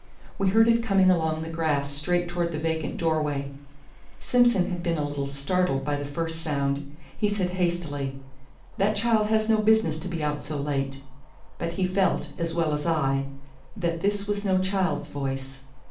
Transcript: We heard it coming along the grass straight towards the vacant door way. Simson had been a little startled by the first sound. He said hastily, "That child has no business to be out so late." But he felt, as well as I, that this was no child's voice.